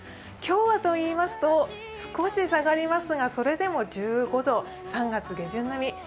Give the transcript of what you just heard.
今日はといいますと、少し下がりますがそれでも１５度、３月下旬並み。